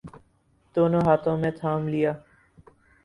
دونوں ہاتھوں میں تھام لیا۔